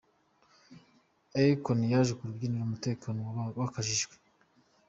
Akon yaje ku rubyiniro umutekano wakajijwe.